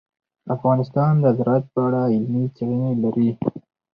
افغانستان د زراعت په اړه علمي څېړنې لري.